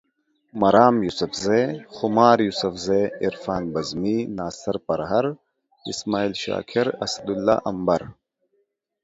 مرام یوسفزے، خمار یوسفزے، عرفان بزمي، ناصر پرهر، اسماعیل شاکر، اسدالله امبر